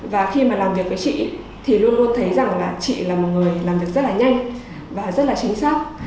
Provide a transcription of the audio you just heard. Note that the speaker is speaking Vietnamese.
và khi mà làm việc với chị thì luôn luôn thấy rằng là chị là một người làm việc rất là nhanh và rất là chính xác